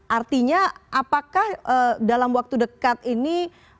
artinya apakah dalam waktu dekat ini